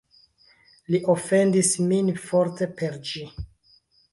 Li ofendis min forte per ĝi.